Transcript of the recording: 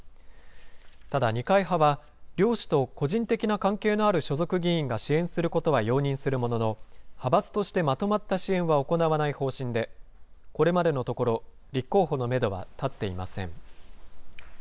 ただ、二階派は、両氏と個人的な関係のある所属議員が支援することは容認するものの、派閥としてまとまった支援は行わない方針で、これまでのところ、立候補のメドは立っていません。